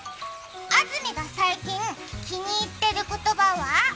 安住が最近気に入ってる言葉は？